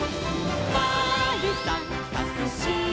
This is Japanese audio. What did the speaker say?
「まるさんかくしかく」